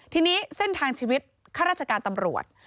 ทีนี้เส้นทางชีวิตข้าราชการตำรวจ